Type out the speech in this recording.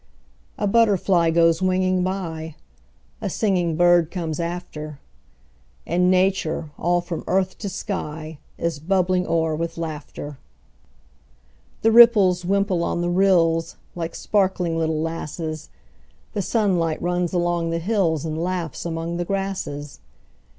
A butterfly goes winging by; A singing bird comes after; And Nature, all from earth to sky, Is bubbling o'er with laughter. The ripples wimple on the rills, Like sparkling little lasses; The sunlight runs along the hills, And laughs among the grasses.